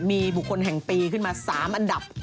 มีบุคคลแห่งปีขึ้นมา๓อันดับ